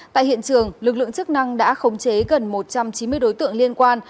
tại hiện trường lực lượng chức năng đã khống chế gần một trăm chín mươi đối tượng liên quan